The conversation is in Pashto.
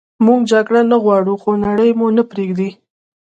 موږ جګړه نه غواړو خو نړئ مو نه پریږدي